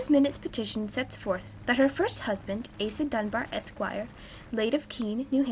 Minott's petition sets forth "that her first husband, Asa Dunbar, Esq., late of Keene, N. H.